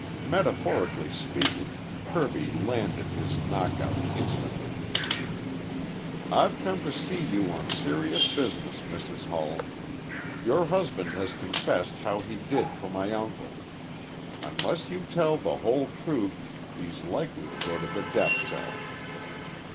Metaphorically speaking, Kirby landed his knockout instantly. "I've come to see you on serious business, Mrs. Hull. Your husband has confessed how he did for my uncle. Unless you tell the whole truth he's likely to go to the death cell."